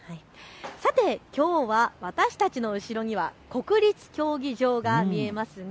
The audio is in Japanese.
さて、きょうは私たちの後ろには国立競技場が見えます。